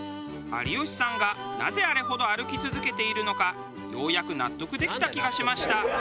有吉さんがなぜあれほど歩き続けているのかようやく納得できた気がしました。